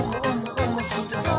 おもしろそう！」